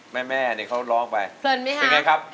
แม่เนี่ยเขาร้องไปเป็นไงครับเป็นไงครับ